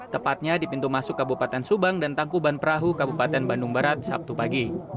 tepatnya di pintu masuk kabupaten subang dan tangkuban perahu kabupaten bandung barat sabtu pagi